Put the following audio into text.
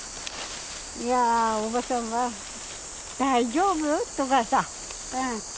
「おばさんは大丈夫？」とかさ。